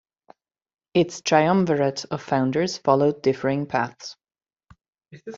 Its triumvirate of founders followed differing paths.